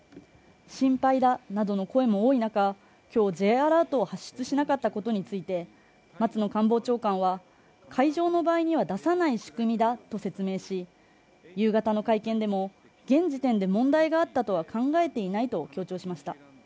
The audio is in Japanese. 心配だなどの声も多い中、今日Ｊアラートを発出しなかったことについて、松野官房長官は海上の場合には出さない仕組みだと説明し、夕方の会見でも、現時点で問題があったとは考えていないと強調しました。